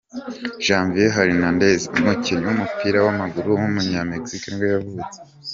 Javier Hernández, umukinnyi w’umupira w’amaguru w’umunya-Mexique nibwo yavutse.